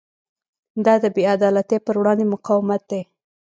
دا د بې عدالتۍ پر وړاندې مقاومت دی.